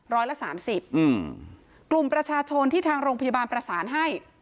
ร้อยละสามสิบอืมกลุ่มประชาชนที่ทางโรงพยาบาลประสานให้